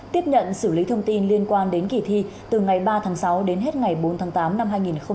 tiếp nhận xử lý thông tin liên quan đến kỳ thi từ ngày ba tháng sáu đến hết ngày bốn tháng tám năm hai nghìn hai mươi